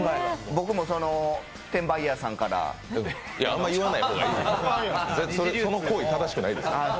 僕も転売ヤーさんからあまり言わない方がいいですよ、その行為正しくないから。